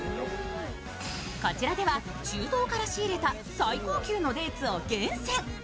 こちらでは中東から仕入れた最高級のデーツを厳選。